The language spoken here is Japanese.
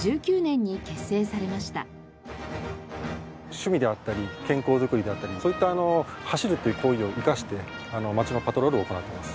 趣味であったり健康づくりであったりそういった走るという行為を生かして街のパトロールを行っています。